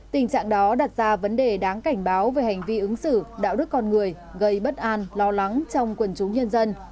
tình trạng đó đặt ra vấn đề đáng cảnh báo về hành vi ứng xử đạo đức con người gây bất an lo lắng trong quần chúng nhân dân